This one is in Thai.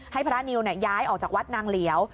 ให้พระนิวย้ายออกจากวัดนางเหลียว